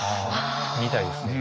見たいですね。